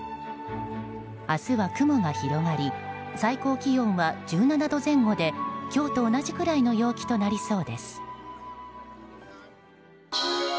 明日は雲が広がり最高気温は１７度前後で今日と同じくらいの陽気となりそうです。